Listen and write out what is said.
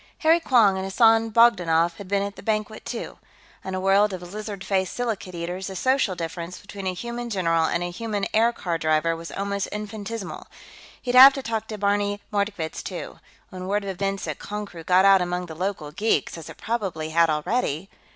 Harry Quong and Hassan Bogdanoff had been at the banquet, too; on a world of lizard faced silicate eaters, the social difference between a human general and a human aircar driver was almost infinitesimal. He'd have to talk to Barney Mordkovitz, too; when word of events at Konkrook got out among the local geeks, as it probably had already....